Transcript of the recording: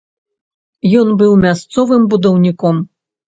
Ён быў мясцовым будаўніком.